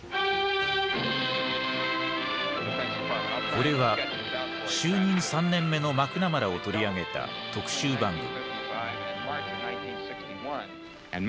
これは就任３年目のマクナマラを取り上げた特集番組。